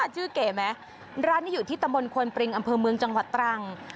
ชื่อเก๋ไหมร้านนี้อยู่ที่ตำบลควนปริงอำเภอเมืองจังหวัดตรัง